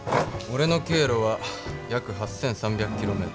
俺の経路は約８，３００キロメートル。